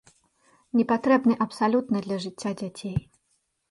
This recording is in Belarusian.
Непатрэбны абсалютна для жыцця дзяцей.